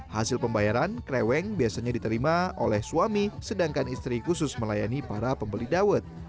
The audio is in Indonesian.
hasil pembayaran kreweng biasanya diterima oleh suami sedangkan istri khusus melayani para pembeli dawet